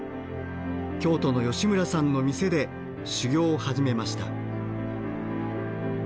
京都の吉村さんの店で修業を始めました。